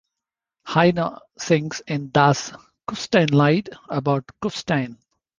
Heino sings in "Das Kufsteinlied" about Kufstein.